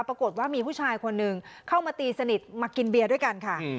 ปรากฏว่ามีผู้ชายคนหนึ่งเข้ามาตีสนิทมากินเบียร์ด้วยกันค่ะ